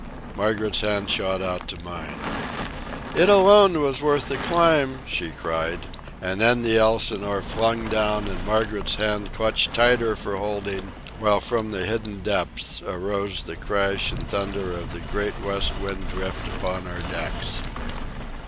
Margaret's hand shot out to mine. "It alone was worth the climb!" she cried. And then the Elsinore flung down, and Margaret's hand clutched tighter for holding, while from the hidden depths arose the crash and thunder of the great west wind drift upon our decks.